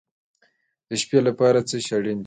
د شپې لپاره څه شی اړین دی؟